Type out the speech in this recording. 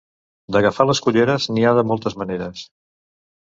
D'agafar les culleres, n'hi ha de moltes maneres.